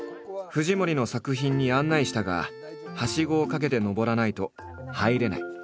藤森の作品に案内したがはしごをかけて登らないと入れない。